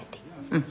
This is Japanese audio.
うん。